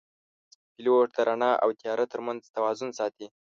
پیلوټ د رڼا او تیاره ترمنځ توازن ساتي.